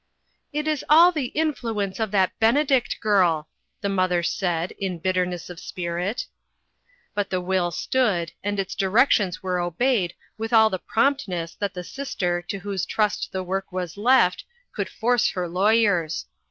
"It is all the influence of that Benedict girl," the mother said, in bitterness of spirit. But the will stood, and its directions were obeyed with all the promptness that the sis ter to whose trust the work was left, could force her lawyers.